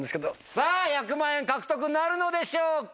さぁ１００万円獲得なるのでしょうか？